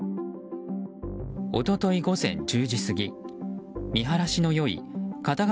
一昨日午前１０時過ぎ見晴らしの良い片側